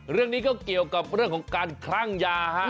เรื่องนี้ก็เกี่ยวกับเรื่องของการคลั่งยาฮะ